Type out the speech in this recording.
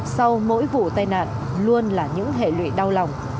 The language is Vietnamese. sau mỗi vụ tai nạn luôn là những hệ lụy đau lòng